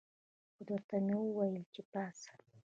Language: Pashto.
خو درته ومې ویل چې پاڅه.